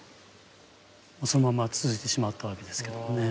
そのまま続いてしまったわけですけどね。